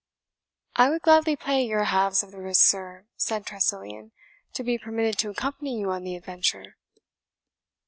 "I would gladly pay your halves of the risk, sir," said Tressilian, "to be permitted to accompany you on the adventure."